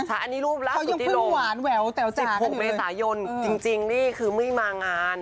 อันนี้รูปลักษณ์สุดที่ลง๑๖เมษายนจริงนี่คือไม่มางาน